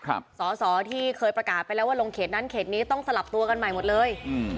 สอสอที่เคยประกาศไปแล้วว่าลงเขตนั้นเขตนี้ต้องสลับตัวกันใหม่หมดเลยอืม